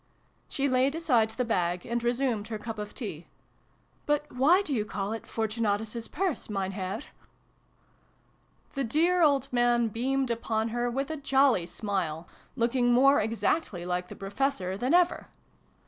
She laid aside the bag, and resumed her cup of tea. " But why do you call it Fortunatus's Purse, Mein Herr?" The dear old man beamed upon her, with a jolly smile, looking more exactly like the Pro fessor than ever.